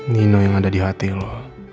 nino yang ada di hati lo